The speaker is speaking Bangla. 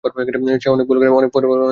সে অনেক ভুল করে, অনেক কষ্ট পায়।